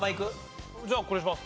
じゃあこれにします。